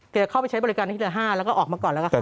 จะเข้าไปใช้บริการที่เหลือ๕แล้วก็ออกมาก่อนแล้วก็